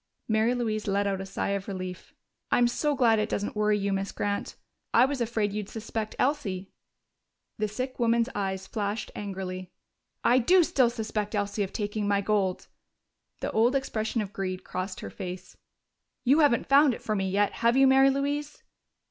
Mary Louise let out a sigh of relief. "I'm so glad it doesn't worry you, Miss Grant. I was afraid you'd suspect Elsie." The sick woman's eyes flashed angrily. "I do still suspect Elsie of taking my gold!" The old expression of greed crossed her face. "You haven't found it for me yet, have you, Mary Louise?"